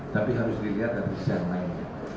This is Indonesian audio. tapi harus dilihat dari sisi yang lainnya